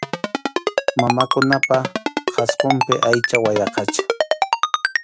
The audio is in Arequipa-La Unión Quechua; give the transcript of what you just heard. Mamakunapa qhasqunpi aycha wayaqacha.